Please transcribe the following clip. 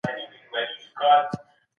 سالمه فکري ناسته د خبرو اترو لپاره مهمه ده.